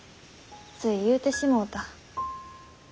つい言うてしもうた。